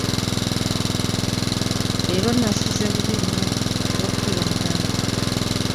Leero nasuze bubi nnyo olw'okufirwa muganda wange.